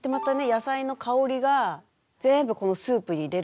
野菜の香りが全部このスープに出るんですよ。